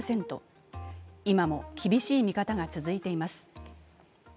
今も厳しい見方が続いています。